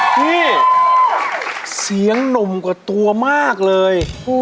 โอ้โหนี่เสียงนมกว่าตัวมากเลย